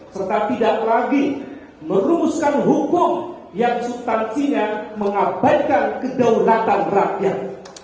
serta tidak lagi merumuskan hukum yang substansinya mengabaikan kedaulatan rakyat